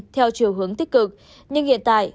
theo chiều hướng tích cực nhưng hiện tại